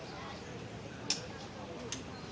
สวัสดีครับทุกคน